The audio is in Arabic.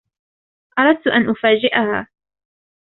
أردت أن أفاجئها.